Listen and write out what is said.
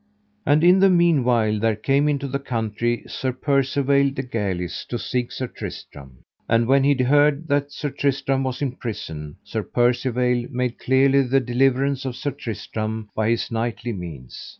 And in the meanwhile there came into the country Sir Percivale de Galis to seek Sir Tristram. And when he heard that Sir Tristram was in prison, Sir Percivale made clearly the deliverance of Sir Tristram by his knightly means.